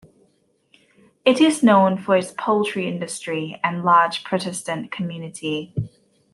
It is known for its poultry industry and large Protestant community.